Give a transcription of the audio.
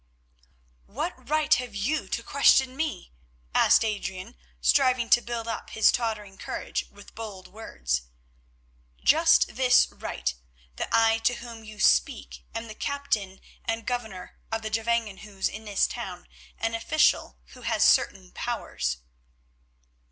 "What right have you to question me?" asked Adrian, striving to build up his tottering courage with bold words. "Just this right—that I to whom you speak am the Captain and Governor of the Gevangenhuis in this town, an official who has certain powers."